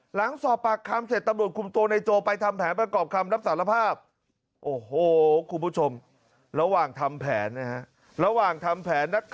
หลังสอบปากคำเสร็จตำรวจคุมตัวในโจไปทำแผนประกอบคำรับสารภาพ